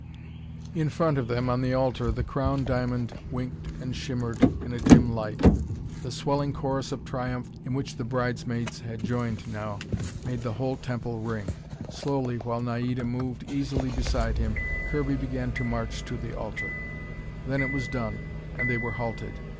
In front of them, on the altar, the crown diamond winked and shimmered in a dim light. The swelling chorus of triumph, in which the bridesmaids had joined now, made the whole temple ring. Slowly, while Naida moved easily beside him, Kirby began to march to the altar. Then it was done, and they were halted.